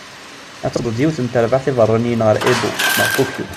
Atta tewweḍ-d yiwet n terbaεt ibeṛṛaniyen ɣer Edo, neɣ Ṭukyu.